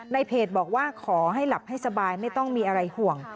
เพจบอกว่าขอให้หลับให้สบายไม่ต้องมีอะไรห่วง